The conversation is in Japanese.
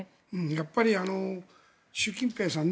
やっぱり習近平さん